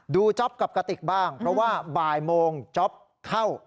จ๊อปกับกะติกบ้างเพราะว่าบ่ายโมงจ๊อปเข้า